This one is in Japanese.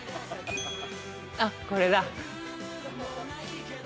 あっこれだ。